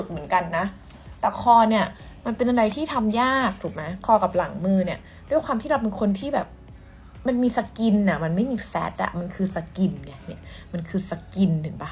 มันไม่มีแฟสต์อ่ะมันคือสกินไงเนี้ยมันคือสกินเห็นป่ะ